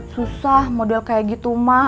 susah model kayak gitu mah